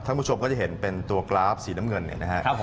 ท่านผู้ชมก็จะเห็นเป็นตัวกราฟสีน้ำเงินนะฮะ